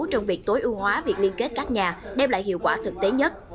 trong việc tối ưu hóa việc liên kết các nhà đem lại hiệu quả thực tế nhất